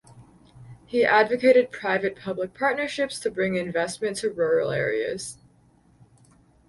He advocated private-public partnerships to bring investment to rural areas.